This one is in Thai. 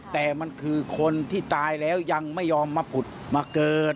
แต่มันคือคนที่ตายแล้วยังไม่ยอมมาผุดมาเกิด